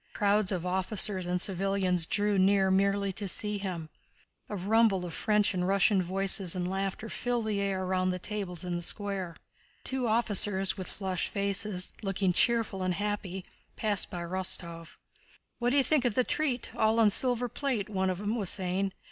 Crowds of officers and civilians drew near merely to see him. A rumble of Russian and French voices and laughter filled the air round the tables in the square. Two officers with flushed faces, looking cheerful and happy, passed by Rostóv. "What d'you think of the treat? All on silver plate," one of them was saying.